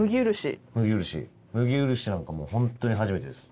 麦漆なんかもうほんとに初めてです。